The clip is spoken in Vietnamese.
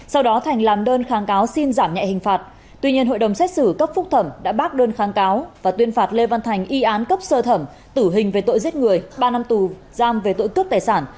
sau đó thành làm đơn kháng cáo xin giảm nhẹ hình phạt tuy nhiên hội đồng xét xử cấp phúc thẩm đã bác đơn kháng cáo và tuyên phạt lê văn thành y án cấp sơ thẩm tử hình về tội giết người ba năm tù giam về tội cướp tài sản